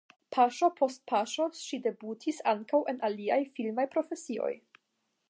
Paŝo post paŝo ŝi debutis ankaŭ en aliaj filmaj profesioj.